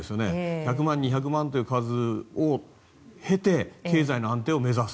１００万、２００万という数を経て、経済の安定を目指す。